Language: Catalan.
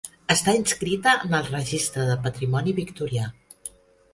Està inscrita en el Registre de patrimoni victorià.